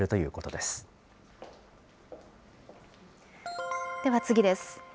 では次です。